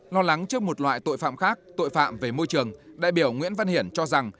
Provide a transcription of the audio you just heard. lo lắng trước một loại tội phạm khác tội phạm về môi trường đại biểu nguyễn văn hiển cho rằng